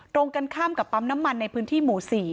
ตรงกันข้ามกับปั๊มน้ำมันในพื้นที่หมู่๔